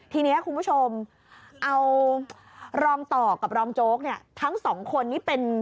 ทีนี้คุณผู้ชมเอารองต่อกับรองโจ๊กเนี่ยทั้งสองคนนี้เป็น